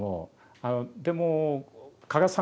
あのでも加賀さん